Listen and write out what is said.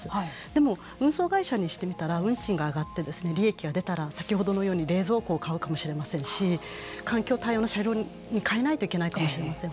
でも、運送会社にしてみたら運賃が上がって利益が出たら先ほどのように冷蔵庫を買うかもしれませんし環境対応の車両に換えないといけないかもしれません。